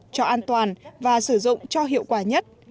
cho an toàn và sử dụng cho hiệu quả nhất